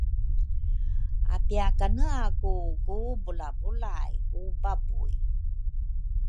apiakanaku ku bulabulay ku babuy.